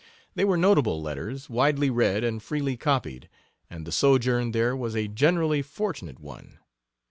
They were notable letters, widely read and freely copied, and the sojourn there was a generally fortunate one.